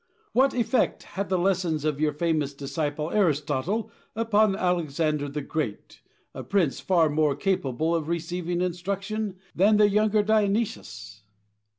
What effect had the lessons of your famous disciple Aristotle upon Alexander the Great, a prince far more capable of receiving instruction than the Younger Dionysius?